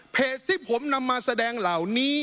เพจที่ผมนำมาแสดงเหล่านี้